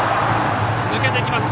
抜けていきます。